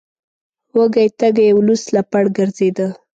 وږی تږی او لوڅ لپړ ګرځیده.